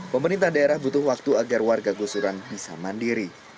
pemerintah daerah butuh waktu agar warga gusuran bisa mandiri